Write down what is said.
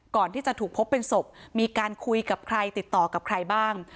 ก่อนที่จะถูกพบเป็นศพมีการคุยกับใครติดต่อกับใครบ้าง